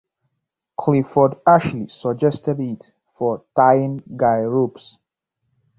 Clifford Ashley suggested it for tying guy ropes.